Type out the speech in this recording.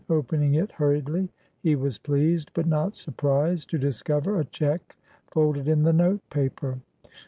Opening it hurriedly, he was pleased, but not surprised, to discover a cheque folded in the note paper.